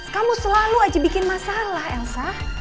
kamu selalu aja bikin masalah elsa